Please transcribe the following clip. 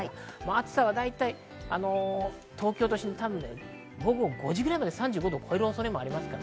暑さはだいたい東京都心で午後５時ぐらいまで３５度を超える恐れもあります。